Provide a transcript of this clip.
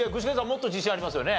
もっと自信ありますよね？